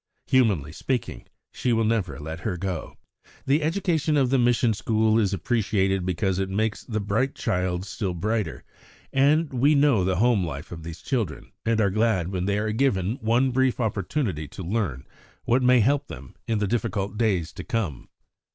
... Humanly speaking, she will never let her go." The education of the mission school is appreciated because it makes the bright little child still brighter; and we, who know the home life of these children, are glad when they are given one brief opportunity to learn what may help them in the difficult days to come.